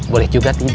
boleh juga tidak